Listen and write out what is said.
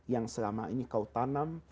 yang selama ini kau tanam